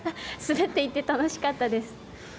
滑っていて楽しかったです。